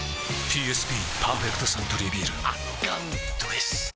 ＰＳＢ「パーフェクトサントリービール」圧巻どぇす！